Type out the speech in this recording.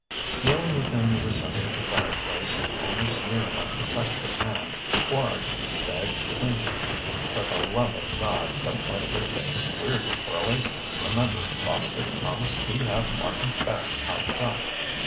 Kneeling within the recess of the fireplace, almost near enough to touch her hand, Quard begged plaintively: "For the love of Gawd, don't let their kidding queer you, girlie. Remember, Boskerk promised he'd have Martin Beck out front!"